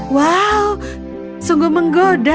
wow sungguh menggoda